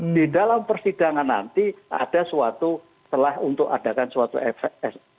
di dalam persidangan nanti ada suatu telah untuk adakan suatu efek